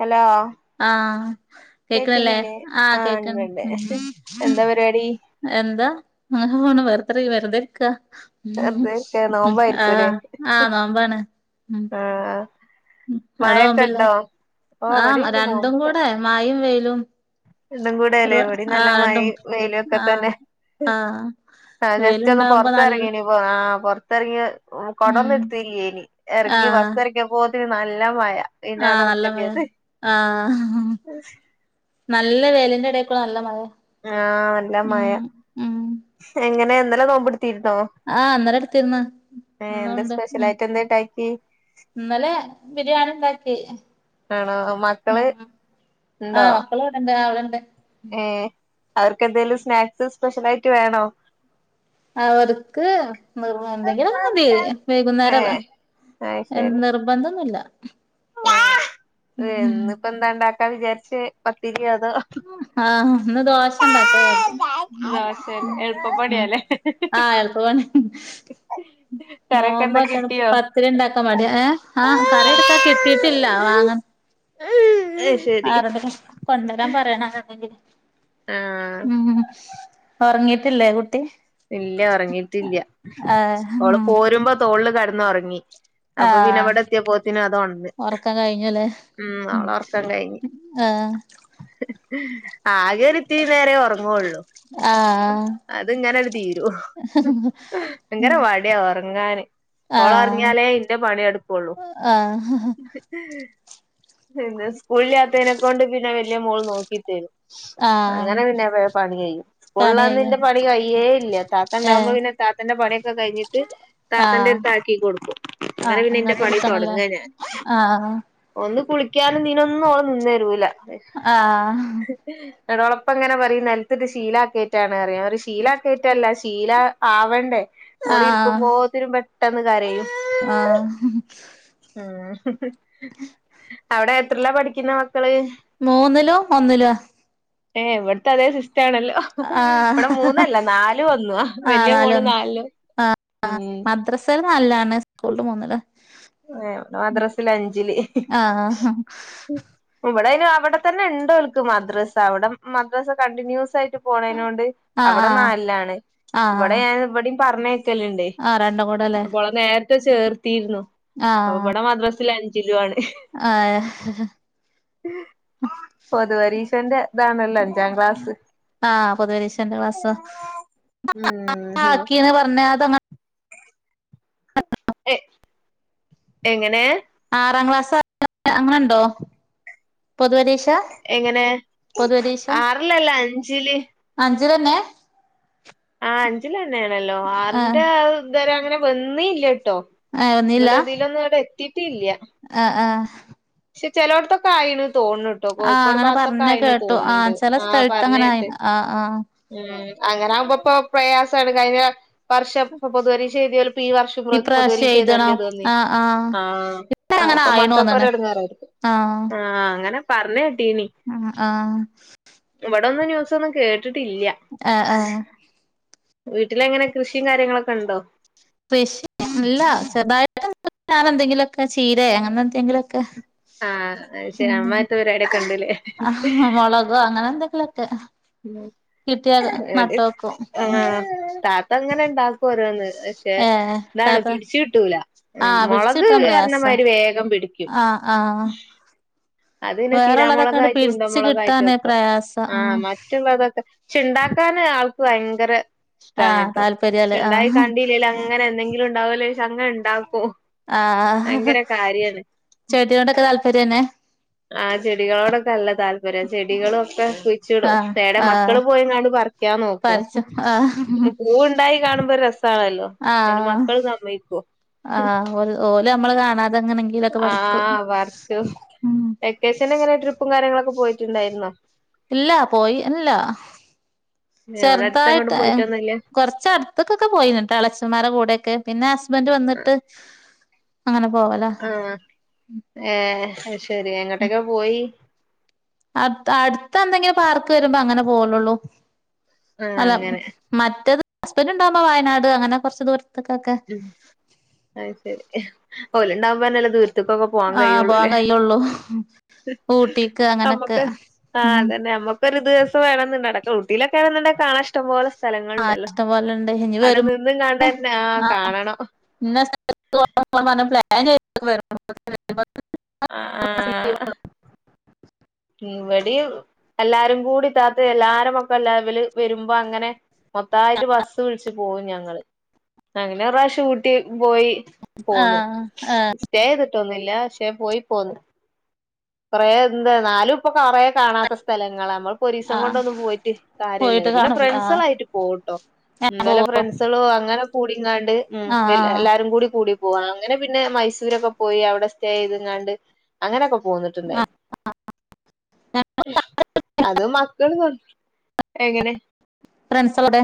hello ആഹ കേക്ക്ണല്ലേ കേക്കുന്നില്ലേ ആഹ ആഹ് കേക്ക ഉണ്ട്ണ്ട് എന്താ പരിപാടി എന്താ ഇങ്ങനെ പോണ് വെറുത വെറുതെരിക്കാ ഉം വെറുതെരിക്ക നോമ്പായിരിക്കൂല്ലേ ആഹ് ആഹ നോമ്പാണ് ആഹ് ഉം അവിട മഴൊക്കെ പോമ്പില്ലേ ഉണ്ടോ ഓ ആഹ് ഇവിടെണ്ട് രണ്ടും നോമ്പുണ്ട് കൂടെ മയും വെയിലും രണ്ടും കൂടെല്ലേ ഒരു ഇവിടിം നല്ല ആഹ് രണ്ടും മഴിം വെയിലൊക്കെ ആഹ് തന്നെ ആഹ് ആഹ ജസ്റ്റ് ഒന്ന് വെയിലുണ്ടാവുമ്പോ പുറത്ത് നല്ല ഇറങ്ങീനു ആഹ പുറത്തിറങ്ങി ഉം കൊടൊന്നും ഇടുത്തില്ലേനി എറങ്ങി ആഹ് ബസ് ഏറങ്ങി അപ്പോത്തിന് നല്ല മയ ആഹ് നല്ല മയ ആഹ നല്ല വേയ്ലിന്റെ ഇടെക്കൂടെ നല്ല മയ ആഹ് നല്ല മയ എങ്ങനെ ഇന്നലെ നോമ്പിടുത്തിരുന്നോ ആഹ് ഇന്നലെ എടുത്തിന്ന് ഒന്നുണ്ട് സ്പെഷ്യൽ ഉം ആയിട്ട് എന്താ ഇണ്ടാക്കി ഇന്നലെ ബിരിയാണി ഇണ്ടാക്കി ആണോ മക്കള് ഇണ്ടോ മക്കളിവ്ടണ്ട് ആ ഇവിടെണ്ട് ഏഹ് അവർക്ക് എന്തേലും സ്നാക്സ് സ്പെഷ്യൽ ആയിട്ട് വേണോ അവർക്ക് നിർ എന്തെങ്കിലും ഒക്കെ മതി വൈകുന്നേരല്ലെ ഏഹ് അത് എഹ് ശരി നിർബന്ധൊന്നുല്ല ഉം എ ഉണ്ടാക്കാ വിചാരിച്ച് പത്തിരി അതും ആഹ് ഇന്ന് ദോശണ്ടാക്കാരിച്ച് ദോശലെ എളുപ്പപ്പണി ആലെ ആഹ് നോമ്പോറ്റാണ് പത്തിരി ഇണ്ടാക്കാ മടി ഏഹ് ആഹ കറി എടുക്കാൻ കിട്ടിയിട്ടില്ല വാങ്ങൻ [unintelligible] ആരോടേലും കൊണ്ടരാൻ പറയണ [unintelligible] ആഹ് ഉം ഉറങ്ങീട്ടില്ലേ കുട്ടി ഇല്ല ഉറങ്ങിട്ടില്ല ആഹ് ഓള് ഉം പോരുമ്പോ തോള്ൽ കെടന്ന് ഉറങ്ങി അപ്പൊപ്പിന്നെ ആഹ് ഇവിടെ എത്ത്യപോത്തിനു അതൊണന്ന് ഒറക്കം കഴിഞ്ഞുല്ലേ ഉം ഓളെ ഒറക്കം കയിഞ് ആഹ് ആകെ ഒരു ഇത്തിരി നേരെ ഉറങ്ങൊള്ളൂ ആഹ് അത് ഇങ്ങനെ തീരും ഭയങ്കര മടിയ ഉറങ്ങാന് ആഹ് ഓളൊറിങ്ങായാലേ ഇന്റെ പണി നടുക്കുള്ളൂ ആഹ് പിന്നെ സ്കൂളിലാത്തതിനെക്കൊണ്ട് പിന്നെ വല്യ മോൾ നോക്കി തേരും ആഹ് അങ്ങനെ പിന്നെ വേം പണി കയ്യും പണി സ്കൂൾള്ളന്ന് കയ്യോ ഇന്റെ പണി കയ്യേ ല്ല താത്ത ഇണ്ടാവുമ്പോ ഏഹ് പിന്നെ താത്തന്റെ പണിയൊക്കെ കഴിഞ്ഞിട്ട് താത്തൻന്റെ ആഹ് അടുത്ത് ആക്കി കൊടുക്കും അങ്ങനെ ആഹ് പിന്നെ ഇന്റെ അങ്ങട്ട് പണി എടുക്കണല്ലേ തൊടങ്ങാ ഞാൻ ആഹ് ഒന്ന് കുളിക്കാനും ഇതീനൊന്നും ഓള് നിന്നെരൂല ആഹ എന്നിട്ട് ഓളപ്പ ഇങ്ങനെ പറിം നിലത്തിട്ട് ശീലാക്കായിട്ടാണ്റയും ഞാൻറയും ശീല തെറ്റല്ല ശീലം ആവണ്ടേ ആഹ് ഓളിരിക്കുമ്പോത്തിനും പെട്ടന്ന് കരയും ആഹ് ആഹ് അവിടെ എത്രയിലാ പഠിക്കുന്നെ മക്കള് മൂന്നിലും ഒന്നിലും ആ ഏഹ് ഇവിടത്തെതേ സിസ്റ്റാണല്ലോ ആഹ് ഇവിടെ മൂന്നല്ല നാലും ഒന്നുആ ആഹ് വല്യ മോള് നാലൊന്ന് നാലിലും ഉം സേല് നാലിലാണ് സ്കൂളില് മൂന്നില് ഏഹ് മദ്രസേലഞ്ചില് ആഹ് ഇവിടയ്ന് അവിടെത്തന്ന്ണ്ടോൽക്ക് മദ്രസ്സ അവിടെ മദ്രസ്സ കണ്ടിന്യൂസായിട്ട് പോണയ്നോണ്ട് ആഹ് അവിടെ ആഹ് നാലിലാണ് ഇവിടെ ആഹ് ഞാൻ ഇവിടെയും പറഞ്ഞയ ച്ചല്ണ്ടേ ആഹ് രണ്ടും കൂടെല്ലേ ഇവടെ നേരത്തെ ചേർത്തിയിരുന്നു അപ്പ ആഹ് ഇവടെ മദ്രസെല് അഞ്ചിലുആണ് ആഹ് പൊതുപരീഷന്റെ ഇതാണല്ലോ അഞ്ചാം ക്ലാസ് ആഹ് പൊതുപരീക്ഷന്റെ ക്ലാസാ ഉം ആക്കീന്ന പറഞ്ഞ അതങ്ങ എ എങ്ങനെ ആറാം ക്ലാസ്സാർക്ക് അങ്ങനുണ്ടോ പൊതുപരീക്ഷ എങ്ങനെ ആറിലല്ല അഞ്ചില് അഞ്ചിലെന്നെ ആഹ് അഞ്ചിലെന്നെയാണല്ലോ ആഹ് ആറിന്റെ ഇതരേം അങ്ങനെ വന്നില്ലട്ടോ ഏഹ് ഒന്നില്ല ഇന്നല്ല ഇതിലൊന്നും ഇവടെത്തിട്ടില്ല ആഹ് ആഹ് പക്ഷെ ചെലോട്ത്തൊക്കെ ആയിന്ന് തോന്ന്ണു ട്ടോ ആഹ് കോയിക്കോട് അങ്ങനെ ഭാത്തൊക്കെ പറഞ്ഞ ആയിന്ന് കേട്ടു തോന്ന്ണ്ട് ആഹ് ചെല ആഹ് സ്ഥലത്ത് പറഞ്ഞ അങ്ങനെ ആയി കേട്ട് ആഹ് ആഹ് മ് അങ്ങനെയാകുമ്പ്പ്പൊ പ്രയാസാണ് കഴിഞ്ഞ വർഷം ഇപ്പൊ പൊതുപരീക്ഷെഴ്തിയോല്പ്പ്പീ വർഷം ഇപ്രാവശ്യം എഴുതണം പതുപരീക്ഷെഴ്തേണ്ടിയത് വന്നില്ലേ ആഹ് ആഹ് ആഹ് അങ്ങനെ ഇപ്പൊ ആയിണ് തോന്ന്ണ് മക്കൾക്കൊരെടങ്ങേറായി ആഹ് അങ്ങനെ പറഞ്ഞ്കേട്ടീനി ഉം ആഹ് ഇവിടൊന്നും ന്യൂസൊന്നും കേട്ടിട്ടില്ല ആഹ് ആഹ് വീട്ടിലെങ്ങനെ കൃഷിയും കാര്യങ്ങളൊക്ക്ണ്ടോ കൃഷി ഇല്ല ചെറ്തായിട്ട് എന്തെങ്കിലും ഞാനെന്തെങ്കിലൊക്കെ ചീരെ അങ്ങനെന്തെങ്കിലൊക്കെ ആഹ് അയ്ശെരി ആമാരിത്തെ പരിപാടിയൊക്ക്ണ്ട്ലെ ആഹ് മൊളകോ അങ്ങനെ എന്തെങ്കിലൊക്കെ കിട്ടിയാ ഇടെയും നട്ടോക്കും ഉം ആഹ് താത്ത ഇങ്ങന്ണ്ടാക്കു ഓരോന്ന് പക്ഷെ ഏ ഇതാണ് താത്ത പിടിച്ച്കിട്ടൂല ആഹ് പിടിച്ച് മൊളക് കിട്ടാൻ പ്രയാസാ പറഞ്ഞമാരി വേഗം പിടിക്കും ആഹ് ആഹ് അത്പിന്നെ വേറെള്ളതൊക്കെണ്ട് ശീരാമുളകായി പിടിച്ച് കിട്ടാന് തുണ്ടമ്മൊളകായിട്ടൊക്കൊ പ്രയാസം ഉം ആഹ് മറ്റുള്ളതൊക്കെ പക്ഷ്ണ്ടാക്കാൻ ആൾക്ക് ഭയങ്കര ആഹ് ഇഷ്ടാണ്ട്ട്ടോ താല്പര്യല്ലേ പക്ഷ്ണ്ടായി ആഹ് കണ്ടില്ലേലാ ഇങ്ങനെന്തെങ്കിലു ഇണ്ടാവുഅല്ലോ വെച്ചങ്ങന്ണ്ടാക്കും ആഹ് ആഹ് ആഹ് ചെടികൊണ്ടൊക്കെ താല്പര്യന്നെ ആഹ് ചെടികളോടൊക്കെ നല്ല താല്പര്യാ ചെടികളുഒക്കെ കുഴിച്ചിടും ആഹ് തേട ആഹ് മക്കള് പോയങ്ങാണ്ട് പറിക്ക ക്കാൻ നോക്കും പറിച്ചും ആഹ് പൂവ്ണ്ടായി കാണുമ്പൊ രസാണല്ലോ അയ്‌ന് ആഹ് മക്കള് സമ്മയിക്കോ ആഹ് ഓല് ഓല് നമ്മള് കാണാതെ എങ്ങനെങ്കിലൊക്കെ പറിക്കും ഉം വെക്കേഷനെങ്ങനെയാ ട്രിപ്പും കാര്യങ്ങളൊക്കെ പോയിട്ടുണ്ടായിരുന്നോ ഇല്ല പോയി ഇല്ല ഇവിടെ അടുത്ത് എങ്ങോട്ടും ചെറ്തായിട്ട് പോയിട്ടൊന്നുല്ല കൊറച്ചട് ത്ത്ക്കൊക്കെ പോയിഞ്ഞ്ട്ടാ എളേച്ചമ്മാരെ കൂടെയൊക്കെ പിന്നെ ഹസ്ബന്റ് വന്നിട്ട് അങ്ങനെ പോവലാ ആഹ് ഏഹ് അത്ശെരി എങ്ങട്ടക്കാ പോയി അട്ത്ത് അട്ത്തെന്തെങ്കിലും പാർക്ക് വരുമ്പൊ അങ്ങനെ പോവലൊള്ളൂ ആഹ് അല്ല അങ്ങനെ മറ്റത് ഹസ്ബന്റ്ണ്ടാവുമ്പൊ വയനാട് അങ്ങനെ കൊറച്ച് ദൂരത്ത്ക്കൊക്കെ അത്ശെരി ഓല്ണ്ടാവുമ്പെന്നല്ലേ ദൂരത്ത്ക്കൊക്കെ പോവാൻ ആഹ് പോവാൻ കയുള്ളൂല്ലേ കഴിയുള്ളൂ ഊട്ടിക്ക് അങ്ങനൊക്കെ നമ്മക്ക് ആഹ് ഉം അതന്നെ നമ്മക്ക് ഒരു ദിവസ വേണന്ന്ണ്ട് ഇടെ ഊട്ടയിലൊക്ക വണന്ന്ണ്ട കാണൻ ഇഷ്ടം പോലെ ആഹ് സ്ഥലങ്ങളുണ്ടല്ലോ ഇഷ്ടം പോലെണ്ട് ഇനി അവിടെ വരും നിന്നും കാണ്ടുതന്നെ ആ ആഹ് കാണണം ഇന്ന സ്ഥലത്ത് കെണ്ടോവണം പറഞ്ഞ് ആഹ് [unintelligible] പ്ലാൻ ചെയ്ത [unintelligible] ഇവിടയും എല്ലാരും കൂടി ഇത്താത്ത എല്ലാരും മക്കെ ല വല് വരുമ്പോ അങ്ങനെ മൊത്തമായിട്ട് ബസ് വിളിച്ച് പോവും ഞങ്ങള് അങ്ങനെ ഒരു പ്രാവശ്യം ഊട്ടി പോയി പോന്ന് ആഹ് ആഹ് സ്റ്റേ ചെയ്തിട്ടൊന്നില്ല പക്ഷേ പോയി പോന്ന് കുറെ എന്താ ന്നാലും ഇപ്പൊ കുറേ കാണാത്ത സ്ഥലങ്ങളാ നമ്മൾ പോ ഒരീസം ആഹ് കൊണ്ടൊന്നും പോയിട്ട് കാര്യ ഇല്ലല്ല പോയിട്ട് പിന്നെ കാണൂല ആഹ് ഫ്രണ്ട്സുകളായിട്ട് പോകുട്ടോ ഞാൻ ഇന്നലെ പോവും ഫ്രണ്ട്സ് ഫ്രണ്ട്‌സളും അങ്ങനെ കൂടികാണ്ട് ഉം ആഹ് ആഹ് എല്ലാരും കൂടി കൂടി പോ അങ്ങനെ പിന്നെ മൈസൂരൊക്കെ പോയി അവിടെ സ്റ്റേ ചെയ്ത്ങ്ങാണ്ട് അങ്ങനെയൊക്കെ പോ ആഹ് [unintelligible] അത് മക് ക്കൾ എങ്ങനെ ഫ്രണ്ട്സ് എവടെ